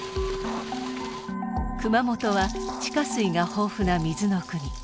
熊本は地下水が豊富な「水の国」。